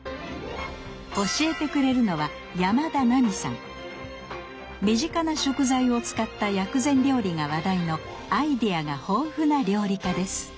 教えてくれるのは身近な食材を使った薬膳料理が話題のアイデアが豊富な料理家です